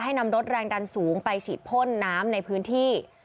นำรถแรงดันสูงไปฉีดพ่นน้ำในพื้นที่